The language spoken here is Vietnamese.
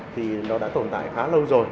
thì nó đã tồn tại khá lâu rồi